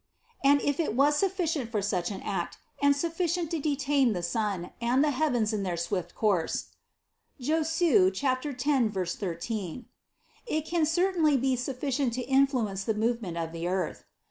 And if it was sufficient for such an act, and sufficient to detain the sun and the heavens in their swift course (Josue 10, 13), it can certainly be sufficient to influence the movement of the earth.